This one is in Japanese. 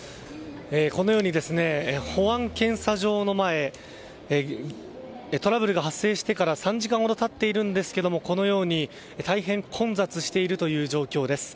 このように、保安検査場の前トラブルが発生してから３時間ほど経っているんですがこのように大変混雑しているという状況です。